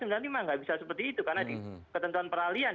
tidak bisa seperti itu karena ketentuan peralian